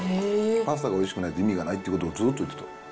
パスタがおいしくないと意味がないってことをずっと言ってた。